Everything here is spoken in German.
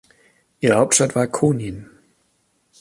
Ihre Hauptstadt war Konin.